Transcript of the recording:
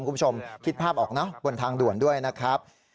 คุณผู้ชมคิดภาพออกนะบนทางด่วนด้วยนะครับ